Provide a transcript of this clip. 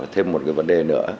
thêm một cái vấn đề nữa